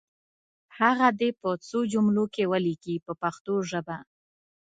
هغه دې په څو جملو کې ولیکي په پښتو ژبه.